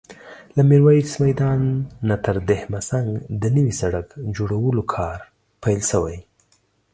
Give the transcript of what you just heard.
له ميرويس میدان نه تر دهمزنګ د نوي سړک جوړولو کار پیل شوی